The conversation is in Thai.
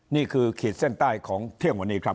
ขีดเส้นใต้ของเที่ยงวันนี้ครับ